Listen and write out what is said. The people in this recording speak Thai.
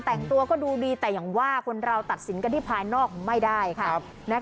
แต่งตัวก็ดูดีแต่อย่างว่าคนเราตัดสินกันที่ภายนอกไม่ได้ค่ะ